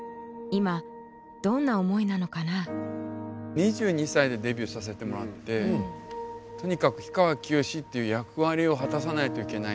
２２歳でデビューさせてもらってとにかく氷川きよしっていう役割を果たさないといけない。